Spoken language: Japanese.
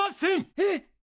えっ！？